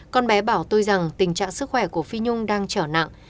con bé bảo tôi rằng tình trạng sức khỏe của phi nhung đang trở nặng